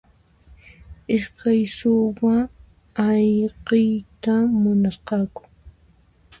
Iskay suwa ayqiyta munasqaku.